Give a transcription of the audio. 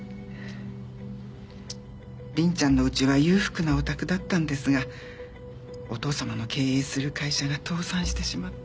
凛ちゃんの家は裕福なお宅だったんですがお父様の経営する会社が倒産してしまって。